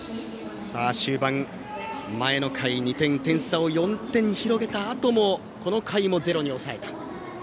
終盤、前の回に２点入れて点差を４点に広げた中でもこの回もゼロに抑えた。